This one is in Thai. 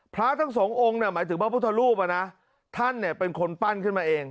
พระทั้งสององค์หมายถึงพระพุทธรูปท่านเนี่ยเป็นคนปั้นขึ้นมาเอง